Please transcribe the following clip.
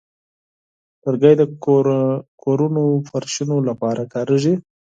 لرګی د کورونو فرشونو لپاره کاریږي.